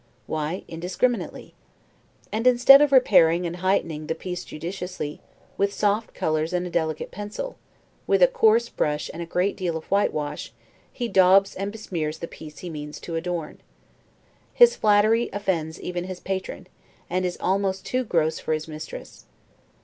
Why, indiscriminately. And instead of repairing and heightening the piece judiciously, with soft colors and a delicate pencil, with a coarse brush and a great deal of whitewash, he daubs and besmears the piece he means to adorn. His flattery offends even his patron; and is almost too gross for his mistress.